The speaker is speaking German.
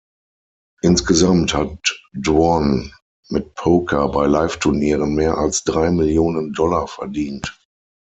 Insgesamt hat Dwan mit Poker bei Live-Turnieren mehr als drei Millionen Dollar verdient.